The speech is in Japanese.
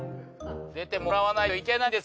出てもらわないといけないんです。